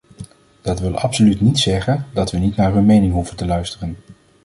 Dat wil absoluut niet zeggen dat we niet naar hun mening hoeven te luisteren.